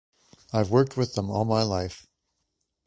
I've worked with them all my life.